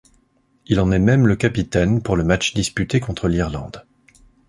Il en est même le capitaine pour le match disputé contre l'Irlande.